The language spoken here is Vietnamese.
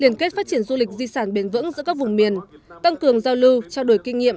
liên kết phát triển du lịch di sản bền vững giữa các vùng miền tăng cường giao lưu trao đổi kinh nghiệm